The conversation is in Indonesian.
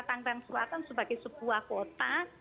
tangerang selatan sebagai sebuah kota